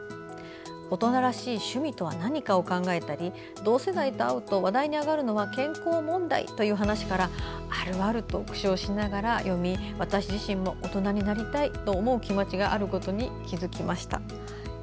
大人らしい趣味とは何かを考えたり同世代と会うと話題に上がるのは健康問題という話から「あるある」と苦笑しながら読み私自身も大人になりたいと思う気持ちがあることに気づきました。